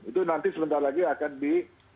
itu nanti sebentar lagi